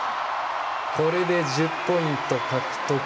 これで１０ポイント獲得。